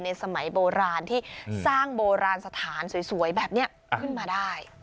สมัยโบราณที่สร้างโบราณสถานสวยแบบนี้ขึ้นมาได้